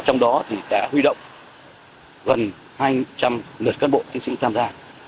trong đó thì đã huy động gần hai trăm linh lượt cán bộ chiến sĩ tham gia